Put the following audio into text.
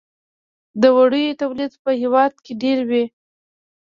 د وړیو تولید په هیواد کې ډیر دی